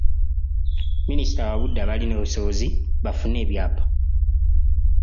Minisita awabudde abalina obusobozi bafune ebyapa.